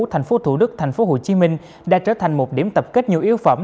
thành phố thủ đức thành phố hồ chí minh đã trở thành một điểm tập kết nhiều yếu phẩm